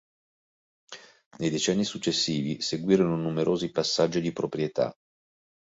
Nei decenni successivi, seguirono numerosi passaggi di proprietà.